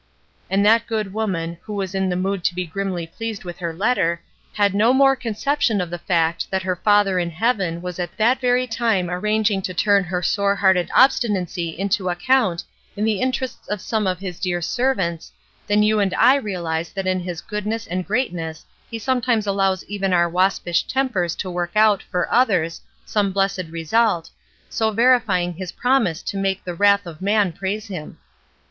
And that good woman, who was in the mood to be grimly pleased with her letter, had no more conception of the fact that her Father in heaven was at that very time arranging 370 ESTER RIED'S NAMESAKE to turn her sore hearted obstinacy into account in the interests of some of His dear servants, than you and I realize that in His goodness and greatness He sometimes allows even our waspish tempers to work out, for others, some blessed result, so verifying His promise to make "the wrath of man praise Him."